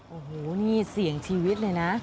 โอ้โหนี่เสี่ยงชีวิตเลยนะ